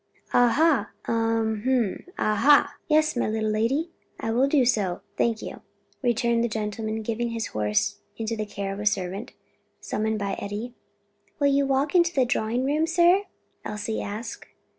"Ah, ha! um h'm; ah ha! Yes, my little lady, I will do so, thank you," returned the gentleman, giving his horse into the care of a servant, summoned by Eddie. "Will you walk into the drawing room sir?" Elsie asked.